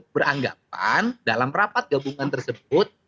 beranggapan dalam rapat gabungan tersebut